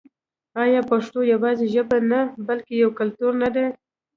آیا پښتو یوازې ژبه نه بلکې یو کلتور نه دی؟